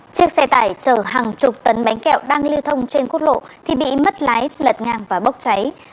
chiếc xe tải chở hàng chục tấn bánh kẹo đang lưu thông trên quốc lộ thì bị mất lái lật ngang và bốc cháy